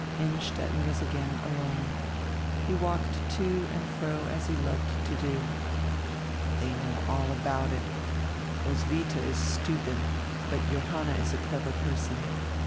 Innstetten was again alone. He walked to and fro as he loved to do. "They know all about it. Roswitha is stupid, but Johanna is a clever person.